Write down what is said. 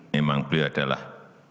memang beliau adalah